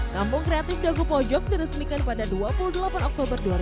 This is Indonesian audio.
kampung kreatif dago pojok diresemikan pada dua puluh delapan oktober dua ribu sebelas